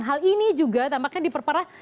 hal ini juga tampaknya diperparah